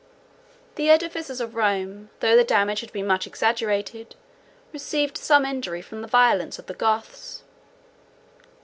The edifices of Rome, though the damage has been much exaggerated, received some injury from the violence of the Goths.